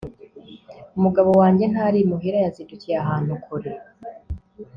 umugabo wanjye ntari imuhira, yazindukiye ahantu kure